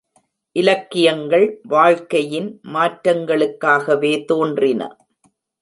இலக்கியங்கள் வாழ்க்கையின் மாற்றங்களுக்காகவே தோன்றின.